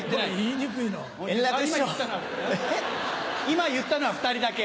今言ったのは２人だけ。